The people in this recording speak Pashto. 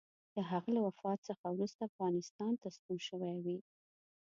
د هغه له وفات څخه وروسته افغانستان ته ستون شوی وي.